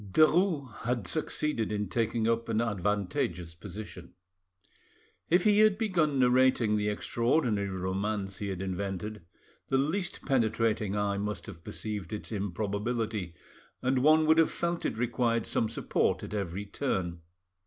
Derues had succeeded in taking up an advantageous position. If he had begun narrating the extraordinary romance he had invented, the least penetrating eye must have perceived its improbability, and one would have felt it required some support at every turn.